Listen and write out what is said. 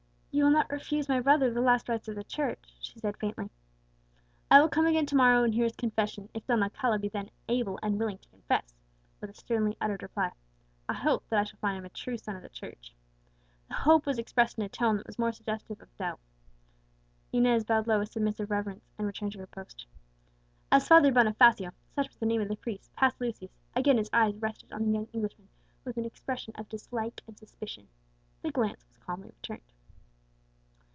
"You will not refuse my brother the last rites of the Church?" she said faintly. "I will come again to morrow, and hear his confession, if Don Alcala be then able and willing to confess," was the sternly uttered reply. "I hope that I shall find him a true son of the Church;" the hope was expressed in a tone that was more suggestive of doubt. Inez bowed low with submissive reverence, and returned to her post. As Father Bonifacio such was the name of the priest passed Lucius, again his eyes rested on the young Englishman with an expression of dislike and suspicion. The glance was calmly returned.